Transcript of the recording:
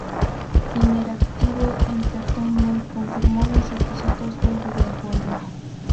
Interactive Entertainment confirmó los requisitos del videojuego.